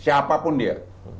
siapa pun dia